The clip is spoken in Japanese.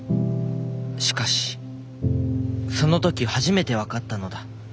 しかしその時初めて分かったのだ。